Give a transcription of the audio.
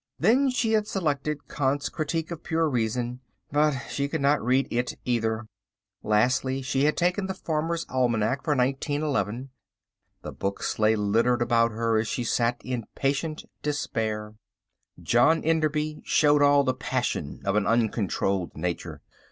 Then she had selected Kant's Critique of Pure Reason. But she could not read it either. Lastly, she had taken the Farmer's Almanac for 1911. The books lay littered about her as she sat in patient despair. John Enderby showed all the passion of an uncontrolled nature.